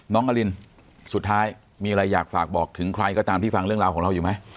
น้องกระลินอะไรอยากบอกถึงใครก็ตามที่ฟังเหลือเราอยู่ไหม